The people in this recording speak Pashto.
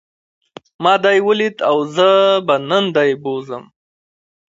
ما دی وليد او زه به نن دی بوځم.